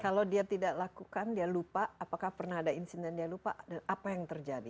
kalau dia tidak lakukan dia lupa apakah pernah ada insiden dia lupa dan apa yang terjadi